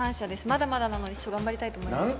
まだまだなので頑張りたいと思います。